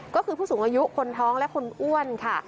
ก็คือผู้สูงอายุคนท้องและคนอ้วนค่ะ